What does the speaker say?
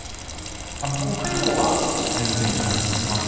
北海道は晴れの天気が続きます。